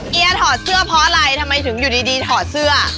เกียร์ถอดเสื้อเพราะอะไรทำไมถึงอยู่ดีถอดเสื้อ